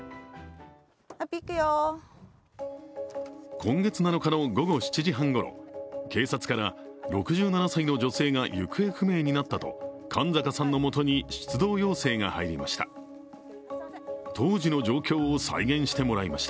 今月７日の午後７時半ごろ、警察から、６７歳の女性が行方不明になったと勘坂さんのもとに出動要請が入りました。